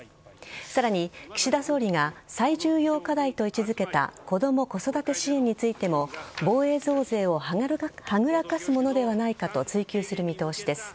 さらに岸田総理が最重要課題と位置付けた子ども・子育て支援についても防衛増税をはぐらかすものではないかと追及する見通しです。